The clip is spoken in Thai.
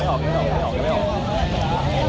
ทางแฟนสาวก็พาคุณแม่ลงจากสอพอ